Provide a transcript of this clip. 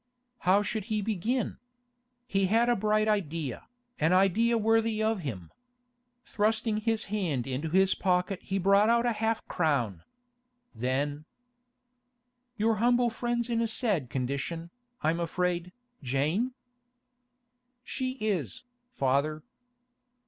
How should he begin? He had a bright idea, an idea worthy of him. Thrusting his hand into his pocket he brought out half a crown. Then: 'Your humble friend's in a sad condition, I'm afraid, Jane?' 'She is, father.